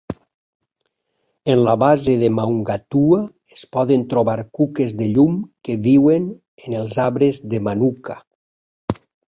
En la base de Maungatua es poden trobar cuques de llum que viuen en els arbres de manuka.